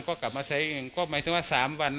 เรากลับมาถ่ายอีกก็หมายถึงว่า๓วันาง่ะ